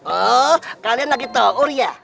oh kalian lagi tawur ya